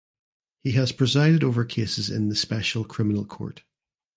He has presided over cases in the Special Criminal Court.